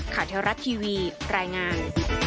ขาเทวรัฐทีวีแปรงาน